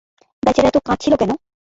বেচারা এতো কাঁদছিল কেন?